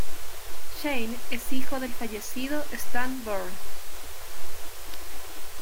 Shane es hijo del fallecido Stan Bourne.